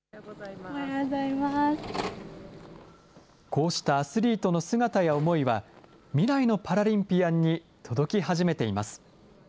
こうしたアスリートの姿や思いは、未来のパラリンピアンに届き始めています。